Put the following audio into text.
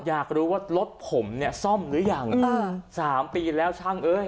อยากรู้ว่ารถผมเนี่ยซ่อมหรือยังอ่าสามปีแล้วช่างเอ้ย